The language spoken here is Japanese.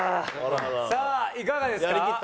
さあいかがですか？